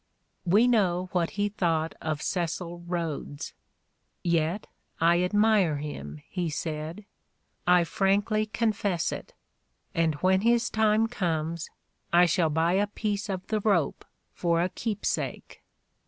We know what he thought of Cecil Ehodes, yet "I admire him," he said, "I frankly con fess it; and when his time comes, I shall buy a piece of the rope for a keepsake."